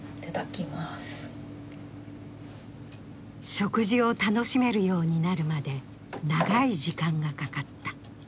食事を楽しめるようになるまで長い時間がかかった。